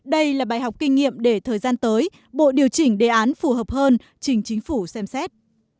đây là bài học kinh nghiệm để thời gian tới bộ điều chỉnh đề án phù hợp hơn trình chính phủ xem xét